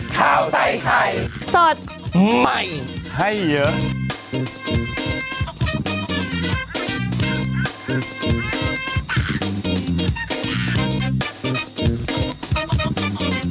ข้าวใส่ไข่สดใหม่ให้เยอะ